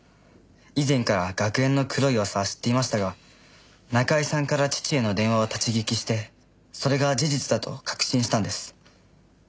以前から学園の黒い噂は知っていましたが中居さんから父への電話を立ち聞きしてそれが事実だと確信したんです。